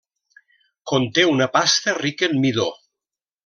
Conté una pasta rica en midó.